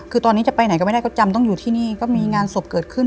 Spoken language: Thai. คือตอนนี้จะไปไหนก็ไม่ได้ก็จำต้องอยู่ที่นี่ก็มีงานศพเกิดขึ้น